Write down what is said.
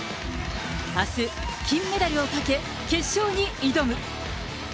あす、金メダルをかけ、決勝に挑む。